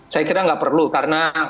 saya kira nggak perlu karena